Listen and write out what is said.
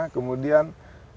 kemudian berapa budgetnya